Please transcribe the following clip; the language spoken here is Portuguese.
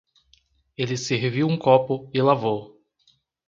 Ele serviu um copo e lavou.